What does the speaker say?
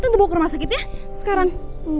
kita bawa ke rumah sakit ya sekarang